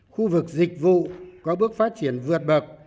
khu vực dịch vụ có bước phát triển vượt bậc